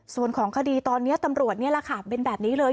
ส่วนของคดีตอนนี้ตำรวจเป็นแบบนี้เลย